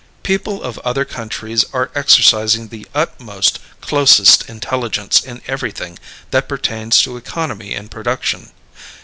People of other countries are exercising the utmost, closest intelligence in everything that pertains to economy in production.